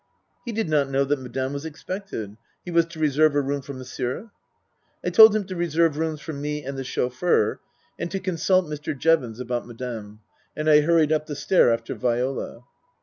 He did not know that Madame was expected. He was to reserve a room for Monsieur ? I told him to reserve rooms for me and the chauffeur, and to consult Mr. Jevons about Madame. And I hurried up the stair after Viola.